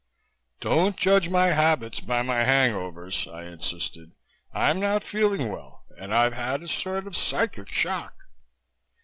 "Don't judge my habits by my hang overs," I insisted. "I'm not feeling well and I've had a sort of psychic shock."